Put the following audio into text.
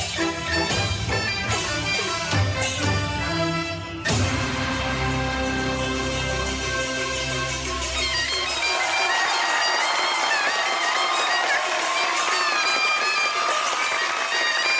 สุดยอด